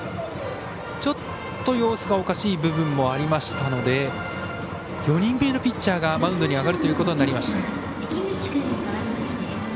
ちょっと様子がおかしい部分もありましたので４人目のピッチャーがマウンドに上がることになりました。